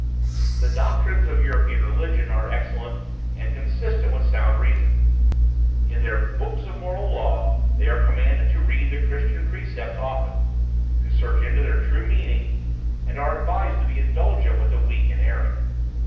"The doctrines of European religion are excellent and consistent with sound reason. In their books of moral law they are commanded to read the Christian precepts often; to search into their true meaning, and are advised to be indulgent with the weak and erring.